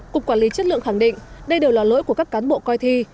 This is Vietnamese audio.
cục quản lý chất lượng khẳng định đây đều là lỗi của các cán bộ coi thi